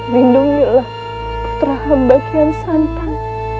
lindungilah putra hamba kian santan